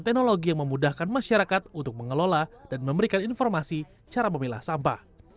teknologi yang memudahkan masyarakat untuk mengelola dan memberikan informasi cara memilah sampah